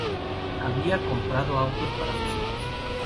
Había comprado autos para sus hijos.